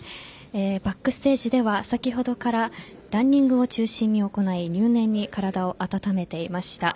バックステージでは、先ほどからランニングを中心に行い入念に体を温めていました。